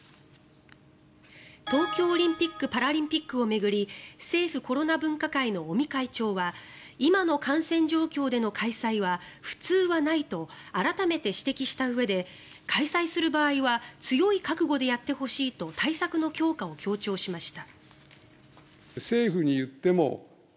東京オリンピック・パラリンピックを巡り政府コロナ分科会の尾身会長は今の感染状況での開催は普通はないと改めて指摘したうえで開催する場合は強い覚悟でやってほしいと対策の強化を強調しました。